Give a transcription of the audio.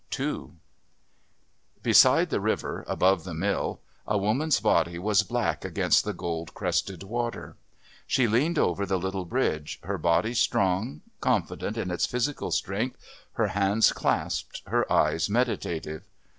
II Beside the river, above the mill, a woman's body was black against the gold crested water. She leaned over the little bridge, her body strong, confident in its physical strength, her hands clasped, her eyes meditative.